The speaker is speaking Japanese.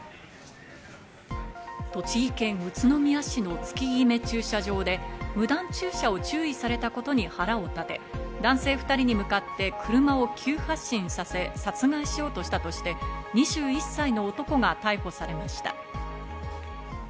栃木県宇都宮市の月極駐車場で無断駐車を注意されたことに腹を立て、男性２人に向かって車を急発進させ、殺害しようとしたとして、２１歳の男が逮捕されました。